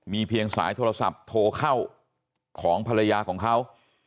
เพียงสายโทรศัพท์โทรเข้าของภรรยาของเขา